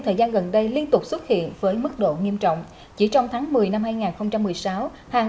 thời gian gần đây liên tục xuất hiện với mức độ nghiêm trọng chỉ trong tháng một mươi năm hai nghìn một mươi sáu hàng